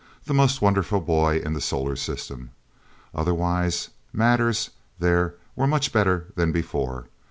The most wonderful boy in the solar system! Otherwise, matters, there, were much better than before.